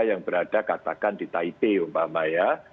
yang berada katakan di taipei umpamanya